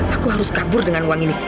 aku harus kabur dengan uang ini